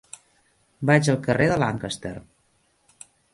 Vaig al carrer de Lancaster.